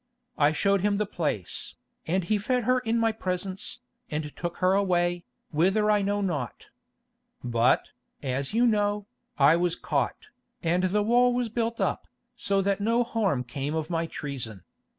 I showed him the place, and he fed her in my presence, and took her away, whither I know not. But, as you know, I was caught, and the wall was built up, so that no harm came of my treason.